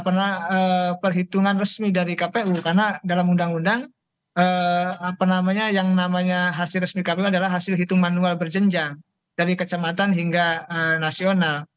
ini adalah perhitungan resmi dari kpu karena dalam undang undang apa namanya yang namanya hasil resmi kpu adalah hasil hitungan manual berjenjang dari kecamatan hingga nasional